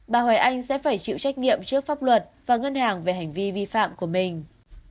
bà hoài anh sẽ phải chịu trách nhiệm trước pháp luật và ngân hàng về hành vi vi phạm của mình